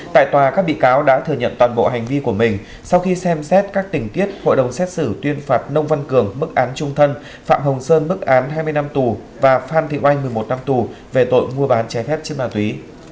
tại tòa các bị cáo đã thừa nhận toàn bộ hành vi của mình sau khi xem xét các tình tiết hội đồng xét xử tuyên phạt nông văn cường mức án trung thân phạm hồng sơn bức án hai mươi năm tù và phan thị oanh một mươi một năm tù về tội mua bán trái phép chất ma túy